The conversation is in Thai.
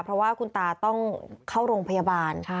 เพราะว่าคุณตาต้องเข้าโรงพยาบาล